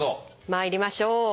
まいりましょう。